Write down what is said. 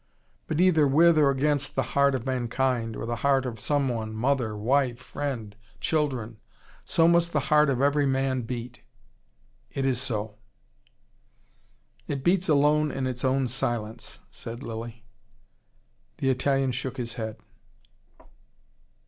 But either with or against the heart of mankind, or the heart of someone, mother, wife, friend, children so must the heart of every man beat. It is so." "It beats alone in its own silence," said Lilly. The Italian shook his head.